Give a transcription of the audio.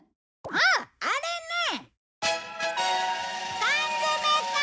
あっあれね！